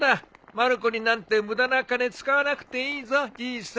まる子になんて無駄な金使わなくていいぞじいさん。